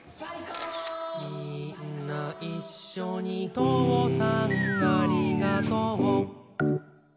「みーんないっしょにとうさんありがとう」